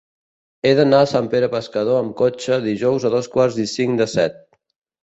He d'anar a Sant Pere Pescador amb cotxe dijous a dos quarts i cinc de set.